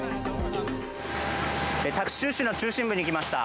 タクシュウ市の中心部に来ました。